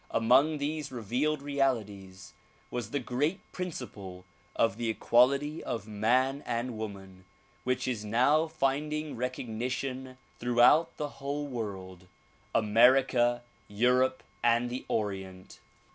Among these revealed realities was the great principle of the equality of man and woman which is now finding recognition throughout the whole world, — America, Europe and the Orient.